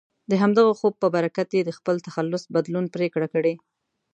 د همدغه خوب په برکت یې د خپل تخلص بدلون پرېکړه کړې.